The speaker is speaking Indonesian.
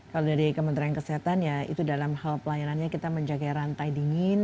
kalau dari kementerian kesehatan ya itu dalam hal pelayanannya kita menjaga rantai dingin